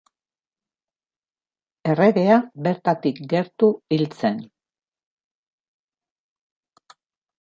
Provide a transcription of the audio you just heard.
Erregea bertatik gertu hil zen.